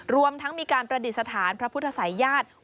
รวมทั้งมีการประดิษฐานพระพุทธศัยญาติ